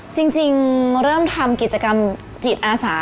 จริงเริ่มทำกิจกรรมจิตอาสา